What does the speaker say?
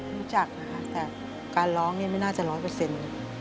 รู้จักนะคะแต่การร้องนี่ไม่น่าจะร้อยเปอร์เซ็นต์